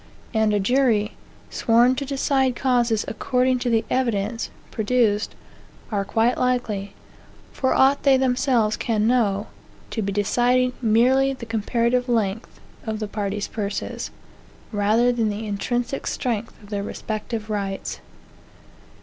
And a jury, sworn to decide causes "according to the evidence" produced, are quite likely, for aught they themselves can know, to be deciding merely the comparative length of the parties' purses, rather than the intrinsic strength of their respective rights.